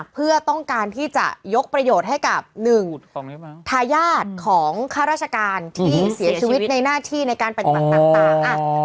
เพื่อต้องการที่จะยกประโยชน์ให้กับ๑ทายาทของข้าราชการที่เสียชีวิตในหน้าที่ในการปฏิบัติต่าง